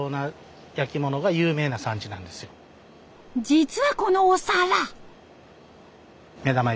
実はこのお皿。